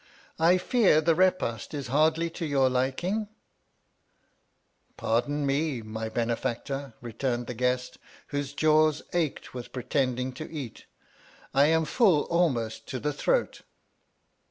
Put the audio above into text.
I fear the repast is hardly to your liking ? Pardon me, my benefactoi , returned the guest, whose jaws ached with pretending to eat, I am full almost to the throat.